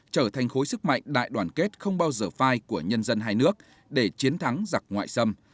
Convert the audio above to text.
trở thành khối sức mạnh đại đoàn kết không bao giờ phai của nhân dân hai nước để chiến thắng giặc ngoại xâm